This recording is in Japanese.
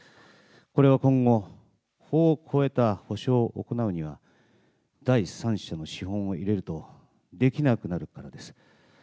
これは今後、法を超えた補償を行うには、第三者の資本を入れるとできなくなるからです。